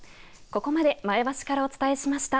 ここまで前橋からお伝えしました。